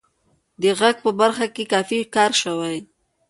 د غږ د ثبت په برخه کې کافی کار شوی